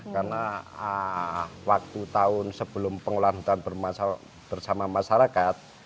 karena waktu tahun sebelum pengelolaan hutan bersama masyarakat